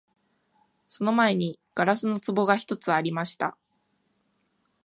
その前に硝子の壺が一つありました